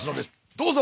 どうぞ！